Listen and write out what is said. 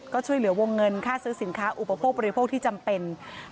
ก็ช่วยเหลือวงเงินค่าซื้อสินค้าอุปโภคบริโภคที่จำเป็น